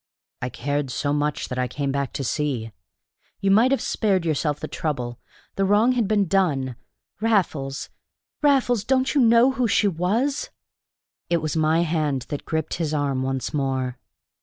"I cared so much that I came back to see." "You might have spared yourself the trouble! The wrong had been done. Raffles Raffles don't you know who she was?" It was my hand that gripped his arm once more.